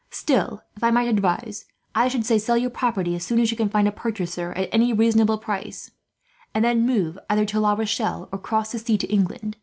"Still, if I might advise, I should say sell your property, as soon as you can find a purchaser at any reasonable price; and then remove, either to La Rochelle or cross the sea to England.